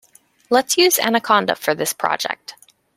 Let's use Anaconda for this project.